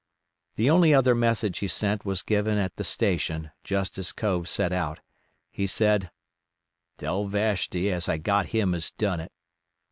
The only other message he sent was given at the station just as Cove set out. He said: "Tell Vashti as I got him as done it."